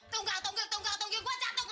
tunggal tunggil tunggal tunggil gua jatuh